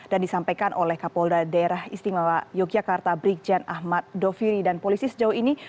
dan disampaikan oleh kapolda daerah istimewa yogyakarta brigjen ahmad doviri dan polisi sejauh ini